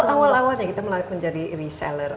awal awalnya kita menjadi reseller